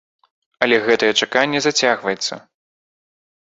Але гэтае чаканне зацягваецца.